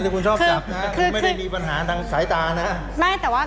คุณต้องไปคุยกับทางเจ้าหน้าที่เขาหน่อย